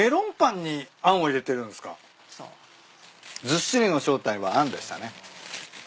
ずっしりの正体はあんでしたね。